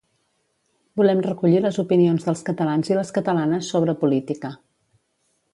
Volem recollir les opinions dels catalans i les catalanes sobre política